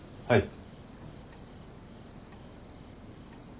はい？